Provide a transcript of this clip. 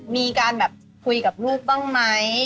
มีการแบบคุยกับลูกบ้างไหม